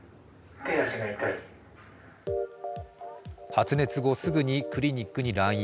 発熱後すぐにクリニックに来院。